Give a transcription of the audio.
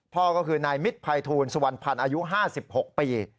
พ่อก็คือนายมิตรภัยทูลสุวรรณพันธ์อายุ๕๖ปี